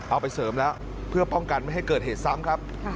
เอาไปเสริมแล้วเพื่อป้องกันไม่ให้เกิดเหตุซ้ำครับ